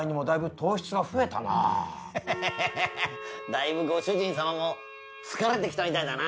だいぶご主人様も疲れてきたみたいだな。